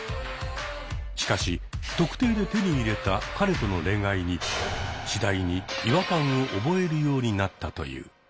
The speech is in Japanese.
しかし「特定」で手に入れた彼との恋愛に次第に違和感を覚えるようになったという。